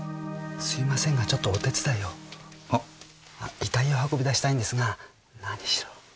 遺体を運び出したいんですが何しろ。